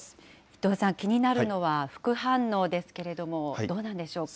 伊藤さん、気になるのは副反応ですけれども、どうなんでしょ